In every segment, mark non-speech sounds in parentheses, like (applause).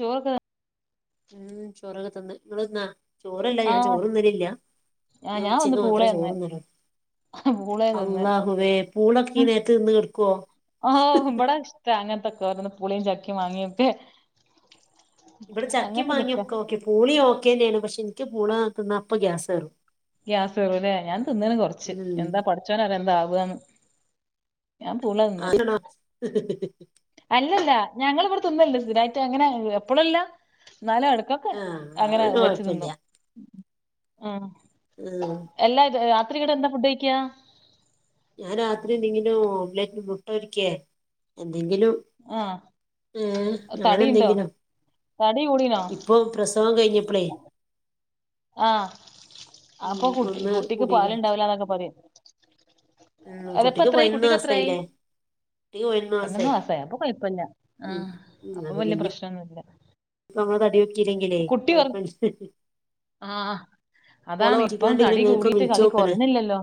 ചോറൊക്കെ ഉം ചോറൊക്കെ തിന്ന് ഇങ്ങളിന്നാ ചോറല്ല ഞാൻ ആഹ് ചോറിന്നലില്ല ആഹ് ഞാൻ ഒന്ന് ഉച്ചക്ക് മാത്രേ പൂളേന്ന് ചോറിന്നലൊ പൂളെ തിന്ന് അള്ളാഹുവേ പൂളൊക്കീ നേര്ത് തിന്ന് കെട്ക്ക്വോ (unintelligible) അങ്ങൻത്തൊക്കോരോന്ന് പുളീം ചക്കേം മാങ്ങ്യൊക്കെ ഇബടെ ചക്കിം ഇഷ്ടാ മാങ്ങ്യൊക്ക ഓക്കെ പൂളിം ഓക്കേന്ന്യാണ് പഷിൻക്ക് പൂള തിന്ന അപ്പ ഗ്യാസേറും ഗ്യാസേറൂലേ ഞാൻ തിന്നിണ് കൊർച്ച് എന്താ പടച്ചോനറിയാ എന്താവാന്ന്. ഞാൻ പൂള തിന്ന് ആണോ അല്ലല്ല ഞങ്ങളിവിടെ തിന്നിൽണ്ട് സ്ഥിരായിട്ടങ്ങന എപ്പൊളല്ല ഇന്നാലും എടക്ക ആഹ് അങ്ങന അതോണ്ട് വെച്ച് കൊഴപ്പല്ല തിന്നു ഉം. ഉം. എല്ലാ രാ രാത്രി ഇന്നിട്ടെന്താ ഫുഡ്ഡയ്ക്ക്യാ ഞാൻ രാത്രി എന്തെങ്കിലും ഓംലറ്റിന് മുട്ടൊരിക്കേ എന്തെങ്കിലും ആഹ് ഉംഹ് തടിണ്ടോ അങ്ങനെന്തെങ്കിലും തടി കൂടീനോ ഇ പ്പം പ്രസവം കഴിഞ്ഞപ്പളേ ആഹ് ഉം അപ്പകുട്ടി ഒന്ന് കുട്ടിക്ക് കൂടിക്ക്ണ് പാലിണ്ടാവ്ലാന്നൊക്ക പറിം ഉം കുട്ടിക്ക് അതിപ്പെത്രേയ് പതിനൊന്ന് കുട്ടിക്കെത്രേയി. മാസായില്ലേ കുട്ടിക്ക് പതിനൊന്ന് രണ്ടൂന്ന് മാസായി മാസായൊ അപ്പൊ കൊയ്പ്പല്ല ഉം ആഹ് ഉം അപ്പൊ അതിന് വല്ല്യ ഇഞ്ഞ് പ്രശ്നൊന്നുല്ല. നമ്മള് തടി വെച്ചീലെങ്കിലേ കുട്ടി ഒർ കൊയ്പ്പൺ ആഹ് അതാണ് ഇപ്പം ഞാൻ തടി ഇങ്ങക്ക് കൂടീട്ട് തടി വിളിച്ചോക്കാണ് കൊറീണില്ലല്ലോ.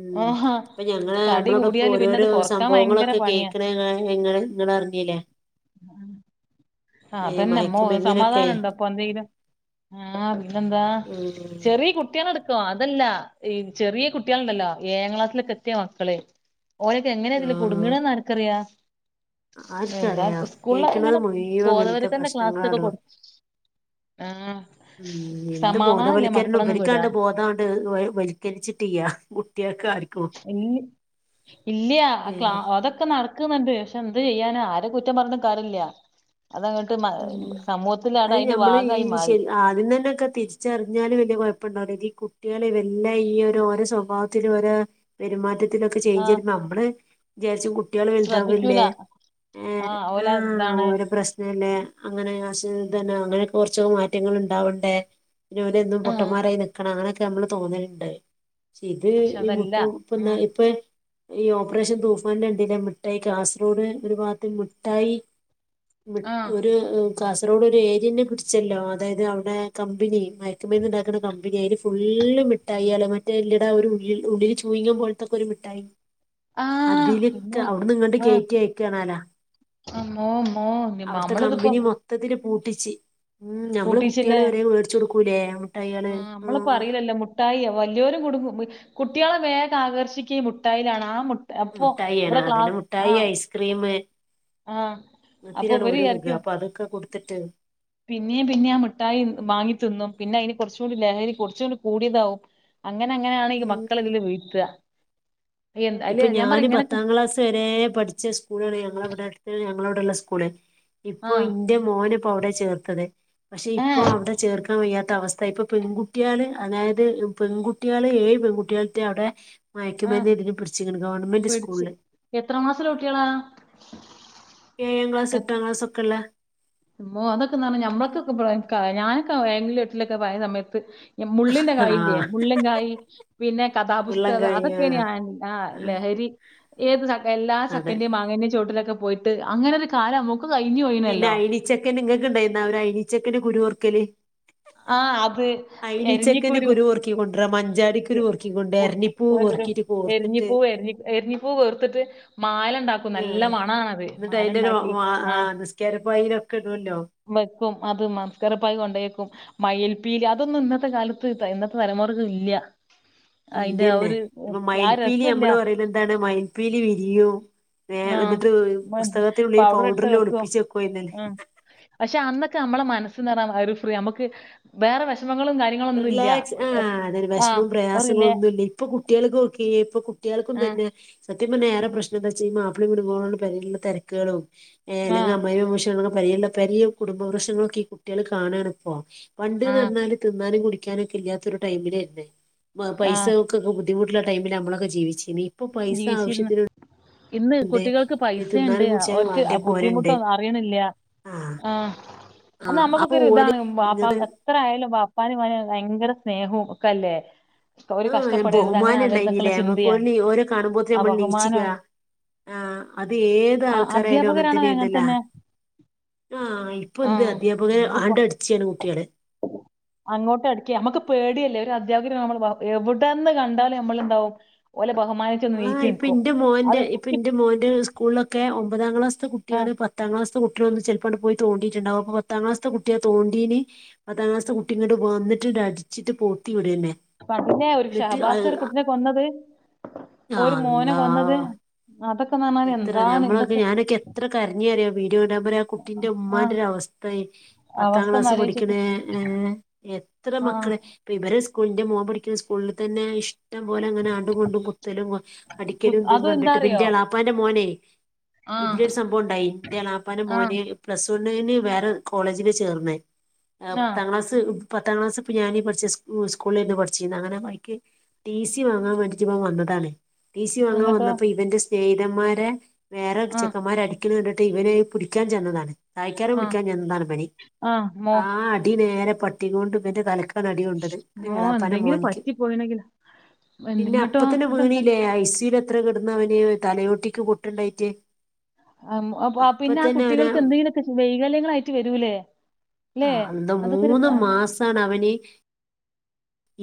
ഊം ഇപ്പ ഞങ്ങള് തടി നമ്മളിപ്പം കൂടിയാല് പിന്നെ അത് പോരോരോ കൊറക്കാൻ ഭയങ്കര സംഭവങ്ങളൊക്കെ പണിയാ കേക്കിണ് യാ ഇങ്ങ ഇങ്ങളർ ഈലേ ആഹ് ഏ അതന്നെ മ്മാ മയക്കുമരുന്നിനൊക്കെ സമാധാനണ്ടപ്പൊ എന്തേലും ആഹ് പിന്നെന്താ ഉം ചെറ്യേ കുട്ട്യാളട് ഓ അതല്ല ഈ ചെറ്യേ കുട്ട്യാളിണ്ടല്ലോ ഏയാം ക്ലാസ്സിലൊ ക്കെത്ത്യേ മക്കള് ഓലൊക്കെങ്ങനെ ഇതില് ആഹ് കുട്ങ്ങിണേന്ന് ആർക്കറിയാ എന്താ ആർക്കറിയാ സ്കൂളിലൊക്കെ കേക്കിന്നത് ഇങ്ങനെ മുയ്വങ്ങൻത്ത ബോധവൽക്കരണ ക്ലാസ്സൊക്കെ പ്രശ്നങ്ങളാടോ. കൊടു ആഹ് ഉം എന്ത് സമാധാനല്ല ബോധവൽക്കരണം മക്കളൊന്നും വിടാൻ ഇബര്ക്കാണ്ടേ ബോധം. ഏഹ് വ വൽക്കരിച്ചിട്ടില്ല്യാ കുട്ട്യാൾക്കാരി ഇൽ ഇല്ല്യ ക്ലാ ഏഹ് അതൊക്കെ നട് ക്ക്ന്നിണ്ട് പഷെ എന്ത് ചെയ്യാനാ ആരെ കുറ്റം പർഞ്ഞിട്ടു കാരില്ല്യാ അതങ ട്ട് മാ ഉം സമൂഹത്തിലാണ്ട് അത് അയ്ന്റെ ഞമ്മള് ഈ ഭാഗായി മാറി. ശരി ആദ്യം തന്നൊക്കെ തിര്ച്ചർഞ്ഞാല് വല്ല്യ കൊയ്പ്പണ്ടാവ്ല ഇത് ഈ കുട്ട്യാള് വെല്ല ഈ ഓരോരൊ സ്വഭാവത് പിന്നെ ഓരെ പെരുമാറ്റത്തിലൊക്ക ആ ചെയ്ഞ്ജുവരുമ്പോ നമ്മള് വിചാര്ച്ചു കുട് ട്യാള് ശ്രദ്ധിക്കൂല വെൽതാവല്ലേ ആ ഏഹ് ഓല ആഹ് ഇതാണ് ഓരെ പ്രശ് നെല്ലെ അങ്ങനെ കൊർച്ച് മാറ്റങ്ങള് ഇണ്ടാവണ്ടേ. പിന്നെ ഓരെന്നും ആ പൊട്ടമ്മാരായി നിക്കണ അങ്ങനൊക്കെ നമ്മള് തോന്നൽണ്ട്. ഇത് പക്ഷെ ഈ മുട്ട അതല്ല ഇപ്പന്ന ഉം ഇപ്പൊ ഈ ഓപ്പറേഷൻ കണ്ടിലെ മിഠായി കാസർഗോഡ് ഒരു ഭാഗത്ത് മിഠായി മി ആ ഉം ഉം കാസർഗോഡ് ഒരു ഏരിയെന്നെ പുടിച്ചല്ലോ, അതായത് അവിടെ കമ്പനി മയക്ക് മരുന്നുണ്ടാക്കുന്ന കമ്പനി ഫുള്ള് മിഠായി ഏൾ, മറ്റേ എല്ലടാ, ഒരു ഉള്ള ഉള്ളില് ചൂയിങ്ങ പോലത്തൊക്കെ ഒരു മിഠായി ആ ഇമ്മോ അതിലൊക്കെ അവിടുന്ന്ങ്ങട്ട് ആ കേറ്റി അയക്കാണോലാ അമ്മോ, അമ്മോ അവിടുത്തെ കമ്പനി മൊത്തത്തില് പൂട്ടിച്ച്, ഉം നമ്മള് കുട്ടികള് വരെ വേ ടിച്ചു കൊടുക്കൂലേ. ആഹ് നമ്മളിപ്പോ അറയൂല്ലല്ലോ നമ്മ മുട്ടായി വല്യോരു കുടുങ്ങും കുട്ടികളെ വേഗ ആകർഷിക്കുക ഈ മുട്ടായിലാണ് ആ മു മുട്ടായി ആണ്, അതിന് മുഠായി ഐസ്ക്രീം ആ അപ്പൊ അങ്ങനെതിലാണ് ഇവര് ഓൽ വിക അപ്പൊ അതൊക്കെ കൊടുത്തിട്ട് പിന്നിം പിന്നീം ആ മിഠായി മാങ്ങി തിന്നും പിന്നെ അതിന് കുറച്ചുകൂടി ലഹരി കുറച്ചുകൂടി കൂടിയതാവും അങ്ങനെ അങ്ങനെയാണ് ഈ ഉം മക്കള ഇതില് വീഴ്ത്തുക എന്ത അല്ലെ ഇപ്പൊ ഞാൻ പറ ഞാന് ഇങ്ങനൊക്കെ പത്താം ക്ലാസ് വരേ പഠിച്ച സ്കൂളാണ് ഞങ്ങള ഇവിടെ അടുത്ത് ഞങ്ങള ഇവിടെള്ള സ്കൂള് ഇപ്പൊ ആഹ് ഇന്റെ മോന ഇപ്പോ അവിടെ ചേർത്തത് പക്ഷെ ഇപ്പൊ ഏഹ് അവിടെ ചേർക്കാൻ വയ്യാത്ത അവസ്ഥായി, ഇപ്പൊ പെൺകുട്ടിയള് അതായത് പെൺകു കുട്ടികള് ഏഴ് പെൺകട്ടികളറ്റെ അവിടെ ആഹ് മയക്കുമര്ന്നെയിട്ട് പിടിച്ചിക്കണ്, ഗവൺമെന്റ് സ്കൂളില് എത്രാം ക്ലാസ്സിലെ കുട്ടിയേള ഏഴാം ക്ലാസ്സ് എട്ടാം ക്ലാസ്സ് ഒക്കെ ഉള്ള മ്മോ അതൊക്കെ പറഞ്ഞാ ഞമ്മക്കൊക്കെ (unintelligible) ഞാനൊക്കെ (unintelligible) എട്ടിലൊക്കെ ആയ സമയത്ത് മുള്ളിന്റെ കായി ഇല്ലേ ആഹ് മുള്ളൻകായ് പിന്നെ വെള്ളം കഥാപുസ്തകം, കഴിഞ്ഞ അതൊക്കെയന് ആഹ് ലഹരി ഏത് ചക്ക, എല്ലാ അതെ ചക്കന്റെയും മാ ങ്ങന്റെയും ചോട്ടിലൊക്കെ പോയിട്ട് അങ്ങനെ ഒരു കാലം നമ്മക്കു ക്കെ കയിഞ്ഞോയി പിന്നെ ഐനിച്ചക്കന്റെ ങ്ങക്ക് ണ്ടായിരിന്നോ ഒരയിനിച്ചക്കന്റെ കുരു പൊറുക്കല്? ആഹ്, അത് എരിഞ്ഞിക്കുരു ക്കി, കൊണ്ടര മഞ്ചാടി കുരു പൊർക്കിക്കിക്കൊണ്ട്, എരഞ്ഞിപ്പൂ പൂവെന്തരും പെറുക്കിട്ട് കോർത്തിട്ട് എരിഞ്ഞിപ്പൂവ് എരിഞ്ഞി എരിഞ്ഞിപ്പൂ വേർത്തിട്ട് മാലണ്ടാക്കും നല്ല ആഹ് മണാണത് എന്നിട്ട് അയിന്റെ ഒരു മാലണ്ടാക്കി വാ ആ ആഹ് നിസ്കാരപ്പായിലൊക്കെ ഇടല്ലോ വെക്കും അത് മസ്കരപ്പായി കൊണ്ടേക്കും. മയിൽ‌പീലി അതൊന്നും ഇന്നത്തെ കാലത്ത് ഇന്നത്തെ തലമുറക് ഇല്ല അയിന്റെ ആ ഇല്യന്നെ, ഒരു പിന്നെ ആ മയൽപ്പീലി രസല്ല നമ്മള് പറയലെന്താണ് മയിൽപ്പീലി വിരിയും ഏഹ് ആഹ് എന്നിട്ട് പുസ്തകത്തിനുള്ളിൽ പൗഡർ ഇട്ട് പൗഡറിൽ വെക്കും ഒളിപ്പിച്ച് വെക്കുയ്നി ആഹ് പക്ഷെ അന്നൊക്കെ നമ്മളെ മനസ്സ് നറഞ്ഞ ഒരു ഫ്രീ നമുക്ക് വേറെ വിഷമങ്ങളും കാ റിലാക്സ് ഉം അതൊരു പക്ഷെ ഇപ്പ ഒരു റിലേ പ്രയാസങ്ങളൊന്നുല്ല്യ ഇപ്പൊ കുട്ടിയെൾക്കൊക്കി ഇപ്പൊ കുട്ടികൾക്കും ആഹ് തന്നെ സത്യം പറഞ്ഞ ഏറെ പ്രശ്ന എന്താ വെച്ചയ്ഞ്ഞ മാപ്പിളീം (unintelligible) പേരെലുള്ള തെരക്കെളും ഏഹ് അല്ലെങ്കി ആഹ് അമ്മായിമ്മീം അമ്മോശനും കൂടെ പേരെലുള്ള കുടുംബ പ്രശ്ങ്ങളൊക്കെ ഈ കുട്ടികൾ കാണണ് ഇപ്പോ ആഹ് പണ്ട്ന്നറഞ്ഞാല് തിന്നാനും കുടിക്കാനൊക്കെ ഇല്ലാത്തരു ടൈമിൽ തന്നെ പൈസ ആഹ് കൊക്കെ ബുദ്ധിമുട്ടുള്ള ടൈമിൽ ആണ് നമ്മളൊക്കെ ജീവിച്ചീന് ഇപ്പ പൈസ ജീവിച്ചിരുന്നു ആവശ്യത്തിന് ഇന്ന് കുട്ടികൾക്ക് പൈസുണ്ട്, തിന്നാനും കുടിച്ചാനും അവർക്ക് ആ വാണ്ടേ പോരണ്ട് ബുദ്ധിമുട്ടൊന്നും അറിയണില്ല ആ ആഹ് ആ അന്ന്‌ അപ്പൊ ഓല് നമ്മക്കൊക്കെരുതാണ് വാപ്പ ഇങ്ങട്ട് എത്രയാലും ബാപാനിം മ്മാനിം ഭയങ്കര സ്നേഹവും ഒക്കല്ലേ ആഹ് ബഹുമാനം ഉണ്ടായിനിലെ ചിന്തയാണ് നമ്മുക്ക്, ഓരോ കാണുമ്പോത്തിന് ആ നമ്മൾ നീചിക്ക ബഹുമാനമാണ് ആഹ്, അത്, ഏത് ആ ആൾക്കാരായാലും അധ്യാപകരാണ് അങ്ങനെ അങ്ങനത്തന്നെയ്ന്നല്ലോ തന്നെ ആഹ് ഇപ്പൊ ആ എന്ത് അധ്യാപകനെ ഇന്നിപ്പോ ആണ്ടടിച്ചാണ് കുട്ടികള് അങ്ങോട്ടടിക്ക, നമ്മുക്ക് പേടിയല്ലേ ഒരു അധ്യാപകര് നമ്മള് എവിടെന്ന് കണ്ടാലും നമ്മളുണ്ടാവും ഓലെ ബഹുമാനി ആഹ്, ഇപ്പന്റെ മോന്റെ, ഇപ്പന്റെ മോന്റെ സ്കൂളിലൊക്കെ ഒമ്പതാം ക്ലാസ്സത്തെ ആ കുട്ടികള് പത്തു പത്താം ക്ലാസിലകുട്ടികളൊന്ന് ചിലപ്പോ അവിടെ പോയി തോണ്ടിട്ടുണ്ടാവും അപ്പ പത്താം ക്ലാസ്ത്ത കുട്ടിയെ തോണ്ടീന് പത്താം ക്ലാസ്ത്ത കുട്ടി ഇങ്ങട്ട് വന്നിട്ട് അടിച്ചിട്ട് പോത്തിവിടേല്ലെ അപ്പതിനെ ഒരു ഷബാസ് ഒരു കുട്ടിനെ കൊന്നത് ഒരു മോനെ അള്ളാ കൊന്നത് അതൊക്ക നമ്മക്ക് എത്ര ഞമ്മളൊക്കെ ഞാനൊക്കെ എത്ര കരഞ്ഞറിയോ വീഡിയോ ഇടാൻ പറയാ ആ കുട്ടീന്റെ ആ ഉമ്മാന്റെ ഒരു അവസ്തയേ പത്താം അവസ്ഥ ഒന്ന് ക്ലാസ് ആലോചിച്ചോക്ക് പഠിക്കണേ ഏഹ് എത്ര ആ മക്കള് ഇപ്പ ഇവര് സ്കൂളിന്റെ മോൻ പഠിക്കുന്ന സ്കൂളില് തന്നെ ഇഷ് ഇഷ്ടം പോലെ അങ്ങനെ ആണ്ടും കൊണ്ടും കുത്തലും കു അടിക്കലും ഇതും അതും എന്താ കണ്ടിട്ട് പിന്റെ അറിയോ എളാപ്പാന്റെ മോനെ ആ ഇതിലൊരു സംഭവം ഉണ്ടായി ഇന്റെ എളാപ്പാന്റെ ആ മോനേ പ്ലസ് വണീന് വേറെ കോളേജില് ചേർന്നേ ആ പത്താം ക്ലാസ് പത്താം ക്ലാസ്പ്പ ഞാനീ പഠിച്ച സ്കൂ സ്കൂളെന്ന പഠിച്ചീന്ന അങ്ങനെ പയിക്കെ ടി സി വാങ്ങാൻ വേണ്ടിറ്റ് ഇവൻ വന്നതാണ് ടി സി വാങ്ങാൻ അങ്ങട്ടോ വന്നപ്പോ ഇവന്റെ സ്നേഹതന്മാരെ വേറെ ആ ചെക്കന്മാര് അടിക്കണ കണ്ടിട്ട് ഇവനെ പിടിക്കാൻ ചെന്നതാണ് തായ്ക്കാനും ആ പിടിക്കാൻ എന്താണ് പനി ആ മോ ആ അടി നേരെ പട്ടികൊണ്ട് ഇവന്റെ തലക്ക് ക്കാനടി കൊണ്ടത് മോ എളാപ്പാന്റ എന്തെങ്കിലും മോനിക്ക് പറ്റിപ്പോയിണെങ്കിൽ പിന്നെ എന്തിങ്ങട്ടോ അപ്പ തന്നെ അതെന്താ വീണീല്ലേ ഐസിയൂല് എത്ര കിട്ന്നാ അവന് തലയോട്ടിക്ക് പൊട്ടുണ്ടായിറ്റേ ആമ് അപ്പോ ആ പിന്നെ ആ കുട്ടികൾക്ക് എന്തേലു ഒക്കെ വൈകല്യങ്ങളായിറ്റ് വരൂലേ അല്ലേ ആഹ് അന്ത അതൊക്കെ ഒരു മൂന്ന് ആ, മാസാണ് അവനെ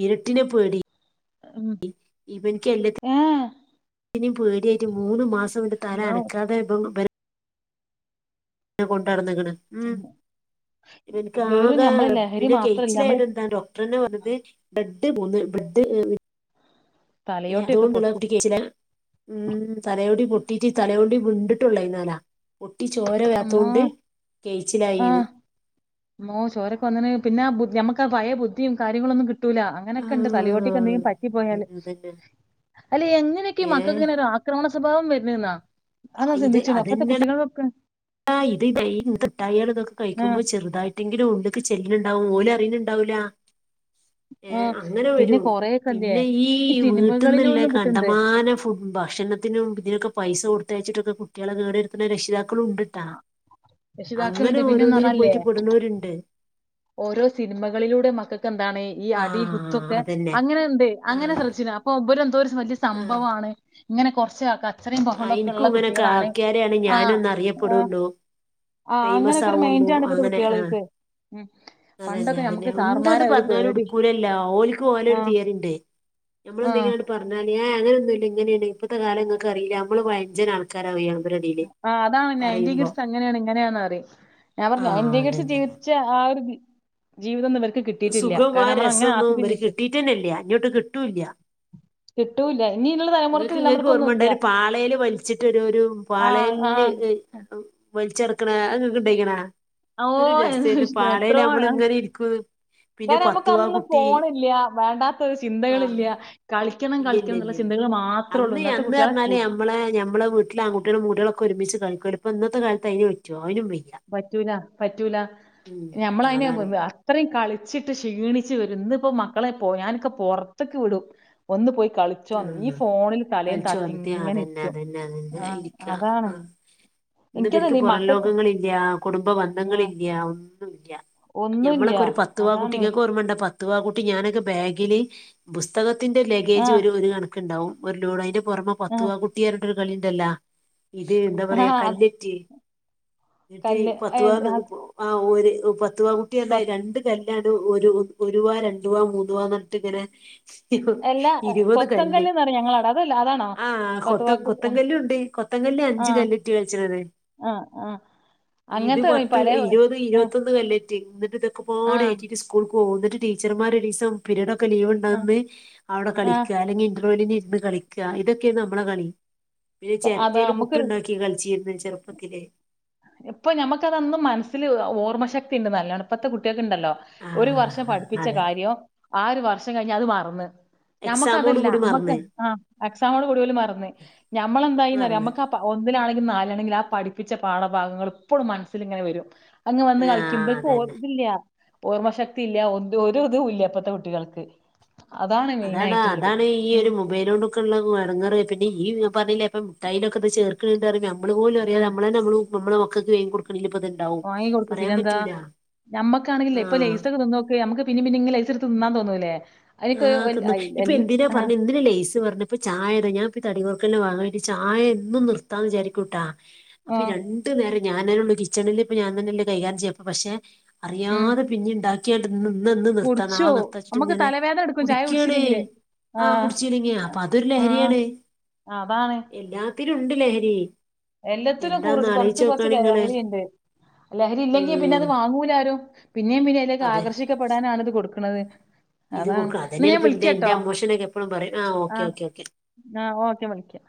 ഇരുട്ടിനെ പേടി (inaudible) ഇവനിക്ക് എല്ലാതി ഏഹ് പിനീം പേടിയായിട്ട് മൂന്നു മാസംന്റെ തല മോ, അനക്കാതെ ഇപ്പം ഇവനെ കൊണ്ട് നടന്നേക്കണ് ഉം എനിക്ക് ആക വെറും നമ്മളെ ലഹരി പിന്നെ മാത്രല്ല നമ്മള് കെയിച്ചിലായിട്ടെന്താന്തോ ട്രന്ന്പറഞ്ഞതെ ബ്രെഡ് മൂന്ന് ബ്രെഡ് (unintelligible) തലയോട്ടിയൊക്കെ അതുകൊണ്ടുള്ള പൊട്ടി കുട്ടികേച്ചിലൽ ഉം തലയോട്ടി പൊട്ടിട്ട് തലൊണ്ട് വിണ്ടിട്ടുള്ള ഇന്നലാ പൊട്ടി ചോര അമ്മോ വെരാത്തോകൊണ്ട് ആ കേച്ചിലായിന്ന് മോ ചോരൊക്കെ വന്നിന് പിന്നെ ബുദ്ധി ഞമ്മക്കാ പഴ ബുദ്ധീം കാര്യങ്ങളൊന്നും കിട്ടൂല്ല അങ്ങനെക്കെയിണ്ട് തലയോട്ടിക്ക് ആഹ് എന്തെങ്കിലും പറ്റി പോയാല് അതന്നെ അല്ല എങ്ങനെക്കെയാ മക്കൾക്ക് ഏഹ് ഇങ്ങനെ ഒരാ ക്രോണസ്വഭാവം വരുന്നെന്നാ അതന്ന് ചിന്തിച്ചു അപ്പത്തെ കുട്ടികളൊക്കെ ആഹ് ഇത് (unintelligible) ന്ത്ട്ടായികള് ഇതൊക്കെ ആ കഴിക്കുമ്പോ ചെറുതായിട്ട് എന്തെങ്കിലും വുഡൊക്കെ ചെല്ല്ണ്ടാവും ഓല് അറിയുന്നിണ്ടാവൂല്ല ആ ഏഹ് അങ്ങനെ വരോ പിന്നെ കൊറേയൊക്കെ എന്ത്യേ പിന്നെ ഈ സിനിമകളിലും വീട്ടിന്നിള്ള ഒന്നും കിട്ടുന്നുണ്ട് കണ്ടമാനം ഫുഡ് ഭക്ഷണത്തിനും ഇതിനൊക്കെ പൈസ കൊടുത്തയച്ചിട്ടൊക്കെ കുട്ടികളെ കേടുവരുത്തണ രക്ഷിതാക്കളുണ്ട് താ അങ്ങനെ രക്ഷിതാക്കളുണ്ട് പിന്നെന്ന് ഓരോന്നിലും പറഞ്ഞാലേ പോയിട്ട് പെടുന്നൂരുണ്ട് ഓരോ സിനിമകളിലൂടെ മക്കക്ക് എന്താണ് ഈ ആ അടി കുത്തൊക്കെ അതന്നെ അങ്ങനെ എന്തേ ആ അങ്ങനെ ശ്രദ്ധിച്ചിണാ അപ്പൊ ഇവര് എന്തോരം വലിയ ആ സംഭവാണ് ഇങ്ങനെ കുറച്ച് ആൾക്കാര് ആഹ് എനിക്കും ഇങ്ങനെക്കെ ആക്കിയാലെ ആണ് ആ ഞാനൊന്ന് ആ അറിയപ്പെടുണ്ടു ആ, അങ്ങനൊക്കെ ഒരു ഫേമസാവുണ്ടു മൈൻഡാണ് ഇപ്പത്തെ അങ്ങനെ ആഹ് കുട്ടികൾക്ക് ഉം. അതന്നെ പണ്ടൊക്കെ അതന്നെ നമുക്ക് എന്താണ്ട് സാർമാരെ ഒരു പറഞ്ഞാലും പേടി ഉടുക്കൂലല്ലാ ഓലിക്ക് ആ ഓലൊരു തീയതിണ്ടേ ഞമ്മള് ആ എന്തെങ്ങനെ പറഞ്ഞാല് ഏ അങ്ങനൊന്നും ഇങ്ങനെയാണ് ഇപ്പത്തെ കാലംങ്ങക്ക് അറിയില്ല ഞമ്മള് പയഞ്ചനാണ് ക്കരാം ഒയ്യോ അവരടീല് പറയുമ്പോ എങ്ങനെയാണ് ഇങ്ങനെയാന്ന് പറയും ഞാൻ ആ പറഞ്ഞ് എന്റെ കുറിച്ച് അതന്നെ ജീവിച്ച ആ ഒരു ജീവിതോന്നും ഇവര്ക്ക് കിട്ടിയിട്ടില്ല കാരണം നമ്മളങ്ങന ആസ്വദിച്ച് (unintelligible) ജീവിച്ചു ത്തിനില്ല്യാ ഇങ്ങോട്ട് കിട്ടൂല്ല്യാ കിട്ടൂല്ല ഇനിയുള്ള തലമുറക്ക് നിങ്ങൾക്ക് ഇങ്ങൾക്ക് നമ്മക്കൊന്നും ഓർമ്മയിണ്ടാ ഇല്ല ഒരു പാളേല് വലിച്ചിട്ടൊരു ആഹ് പാളേല്ല് ആഹ് വെല്ച്ചെടുക്കണാ അങ്ങക്ക് ഉണ്ടേയ്ക്കണാ ഓ ഇതൊരു എന്ത് രസേന്ന് വിഷയം, പാളേല് ഞമ്മള് ഇങ്ങനെ ഇരിക്കും പിന്നെ ങ്ങനെ നമുക്ക് പത്തുവാ അന്ന് കുട്ടി ഫോണില്ല വേണ്ടാത്തൊരു ആഹ് ചിന്തകളില്ല കളി ക്കണം ഇല്ല ഇല്ല കളിക്കണം എന്നുള്ള ഇല്ല ഇല്ല ചിന്തകള് മാ അന്ന് അന്ന്ർഞ്ഞാലേ എ മ്മളേ ഞമ്മെളേ വീട്ട്ലേ ആകുട്ടിയേളും കുട്യേളും ക്കൊ ഒരുമിച്ച് കളിക്കുംഅയ്ന് ഇപ്പോ ഇന്നത്തെ കാലത്ത് അയ്ന് റ്റോ അയ്നും വെയ് പറ്റൂല പറ്റൂല ഞമ്മള അയ്നെ വ് അതാണ് വ്വ ഇത്രയും കളിച്ചിട്ട് ക്ഷീണിച്ച് വരും ഇന്ന് ഇപ്പോ മക്കളെ പോ ഞാനൊക്കെ പൊർത്ക്ക് വിടും. ഒന്ന് പോയി കളി ച്ചോ ഈ ഉം ഫോണിൽ തലേയും കളിച്ചു വന്നിട്ട് തത്തിങ്ങനെ അതന്നെ ഇരിക്കും അതന്നെ അതന്നെ ആഹ് ഇരിക്ക അതാണ് ആഹ് എനിക്ക്തീ മക്കക് ല്യാ കുടുംബ ബന്ധങ്ങളില്യാ ഒന്നുംല്യാ ഒന്നുല്ല ഞമ്മളൊക്കെ ഒരു പത്ത് വാ അതാണ് കുട്ടിക്ക് ങ്ങക് ഓർമ്മണ്ട പത് ത്വാ കൂട്ടി ഞാനൊക്കെ ബാഗിൽ ബുസ്തകത്തിന്റെ ലഗേജ് ആഹ് ഒരു ഒരു കണക്ക് കണ്ടാവും ഒരു ലോഡ് അയിന്റെ പൊറമെ ആഹ് പത്തുവാ കുട്ടിയാർഞ്ഞിട്ടോരു കളിണ്ടല്ലാ? ഇത് ന്താ പറയാ ആഹ് അത് കല്ലറ്റി ഞട്ടി കല്ല് ഏ, പത്ത്വാ ആ, ആഹ് ഒരു പത്ത്വാ കൊ കുട്ടിയാർഞാ രണ്ട് ചെല്ലാടു ഒരു ഒരു വ രണ്ടു വ മൂന്നു വ നട്ട്ങ്ങനെ സ്റ്റി അല്ല ഇരുവത് കൊത്തൻ കല്ല് കല്ല്ന്ന് പറയും ഞങ്ങളവിടെ അതല്ല അതാണോ ആഹ് കൊത്തൻ ഫത്വാക്കുട്ട കൊത്തൻകല്ലുണ്ട്. കൊത്തങ്കല്ല് അഞ്ച് ആഹ് കല്ലിട്ടി കളിച്ചിണത്. ആഹ് ആഹ് ഇത് അങ്ങനത്തെ പത്ത് പലേ ഇരുപത് ആഹ് ഇരുപത്തൊന്ന് കല്ല് റ്റി ആഹ് ഇന്നട്ട് (unintelligible) സ്കൂൾകോവും ന്നിട്ട് ടീച്ചർമാരൊരീസം പിരീഡൊക്കെ ആഹ് ലീവ്ണ്ടന്ന് അവ്ടെ കളിക് ആഹ് അല്ലെങ്കിൽ ഇണ്ട്രാവെല്ലിന്ഇര്ന്ന് കളിക്കാ ഇതൊക്കെയ നമ്മളേ കളി പിന്നെ അത് ചെർട്ടേല് നമുക്കൊരു പുട്ടുണ്ടാക്കി കളിച്ചിര്ന്ന് ചെറുപ്പത്തില് ഇപ്പം ഞമക്കതന്നും മനസ്സിൽ ഓർമ്മ ശക്തി ഉണ്ട്ന്നല്ലോണം ഇപ്പത്തെ കുട്ടിയെൾക്കണ്ടല്ലോ ആ ഒരു വർഷം പഠിപ്പിച്ച അതെ കാര്യം ആഹ് ഒരു വർഷം കഴിഞ്ഞ അത് മറന്ന് എക്സാമോട് ഞമ്മക്കതല്ല കൂടി അമ്മക്ക് മറന്ന് ആ എക്സാമോട് കൂടി ഓലും മറന്ന് ഞമ്മളെന്തായിന്ന്റിയോ മറന്ന് ഞമ്മക്കഅ ഒന്നിലാണെങ്കിൽ നാലാണെങ്കിൽ ആഹ് പഠിപ്പിച്ച പാഠഭാഗങ്ങൾ ഇപ്പോളും മനസ്സിലിങ്ങനെ വരും അങ്ങ് വന്ന് ആ കളിക്കുമ്പോ ഇവൽക്ക് അതന്നെ ഓർല്യാ പൊ ഓർമ്മ ശക്തി ഇല്ല ഒന്ത ഒരു ഇതുല്ല ഇപ്പത്തെ കുട്ടികൾക്ക് അതാണ് മെയിൻ ആയിട്ടുള്ളത് ഉം മൊബൈലോണ്ടൊക്കെള്ളടെങ്ങറ് പിന്നെ ഈ പറഞ്ഞില്ലേപ്പം മിട്ടായിന്റോക്കെ ചേർ ക് ഞമ്മള് പോലും ഉം അറിയാദെ അമ്മ്ളെ നമ്മ നമ്മള മക്കക്ക് വേങ്ങി കൊടുക്കല്ല്ലെ ഇപൊ തന്നെ ഇതുണ്ടാവും വാങ്ങി കൊടുക്കും പറയാൻ പിന്നെന്താ പറ്റൂല ഞമ്മക്കാണെങ്കിലേ ഇപ്പൊ ആ ലൈസൊക്കെ നോക്ക നമുക്ക് പിനീ പിനീങ്ങ് ലൈസ്ട്ത്ത് തിന്നാ തോന്നൂല്ലേ ആഹ് തിന്ന് ഇപ്പൊ എന്തിനാ പറഞ്ഞ എന്തിനാ ലേസ് പറനെ പ്പൊ ചായതാ ഞാൻ തടികൊർക്കൽ വാങ്ങയ്ട്ട് ചായ എന്നും നിർത്താന്ന് വിചാരിക്കൂട്ടാ ആ അപ്പൊ രൺ ണ്ട് നേരൊ ഞാനെനെള്ളൂ കിച്ചണിൽ ഇപ്പ ഞാൻ തന്നെല്ല കൈകാരിം ചെയ്യപ്പ പക്ഷെ ഉം അറിയാതെ പിന്നെണ്ടാക്കി ച്ചേണ്ട് ഇന്ന് ന്ന് നിർത്താം നാളെ കുടിച്ചോവും നിർത്തച്ചിട്ട് നമ്മക്ക് ഇങ്ങനെ തലവേദന എടുക്കും ചായ കുടിക്യാണ് കുടിച്ചില്ലെങ്കില് ആ ആഹ് കുടിച്ചീല്ലങ്ങിയ അപ്പൊ അതൊരു ആ ലഹരിയാണ് അതാണ് എല്ലാത്തിലുംണ്ട് ലഹരി എല്ലാത്തിലു കുർ എന്താന്ന് കൊറച്ചു ആലോചിച്ച് കൊർച്ച് നോക്കാണ് നിങ്ങള് ലഹരിണ്ട് ലഹരി ഇല്ലെങ്കി പിന്നെ ഉം അത് വാങ്ങൂല ആരും പിന്നെയും പിന്നെ അയിലേക്ക് അതെ ആകർഷിക്കപ്പെടാനാണ് അത് കൊട്ക്ക്ണത് ഇത് കൊടുക്കും അതന്നെയാണ് ഇപ്പ ഇൻ ഇന്റെ അമോഷനക്കെ എപ്പളും പറയും ആഹ് ഓക്കെ ഓക്കെ ഓക്കെ ആഹ് ഓക്കെ വിളിക്ക